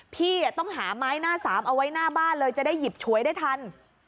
พี่ต้องหาไม้หน้าสามเอาไว้หน้าบ้านเลยจะได้หยิบฉวยได้ทัน